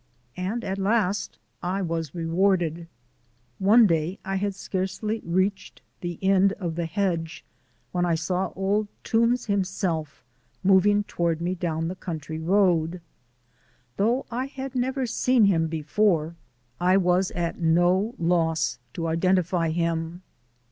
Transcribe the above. And at last I was rewarded. One day I had scarcely reached the end of the hedge when I saw Old Toombs himself, moving toward me down the country road. Though I had never seen him before, I was at no loss to identify him.